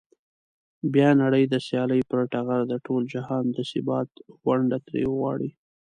بیا نړۍ د سیالۍ پر ټغر د ټول جهان د ثبات ونډه ترې وغواړي.